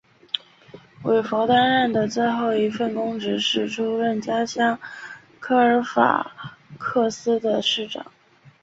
韦弗担任的最后一份公职是出任家乡科尔法克斯的市长。